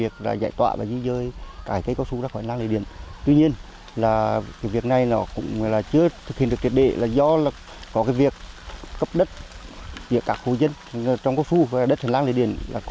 cây cao su rất khỏe năng lễ điện